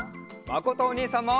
まことおにいさんも！